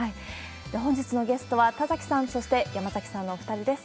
本日のゲストは田崎さん、そして山崎さんのお２人です。